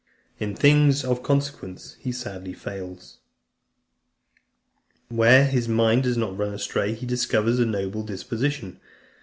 In things of consequence he sadly fails. Where his mind does not run astray, he discovers a noble disposition."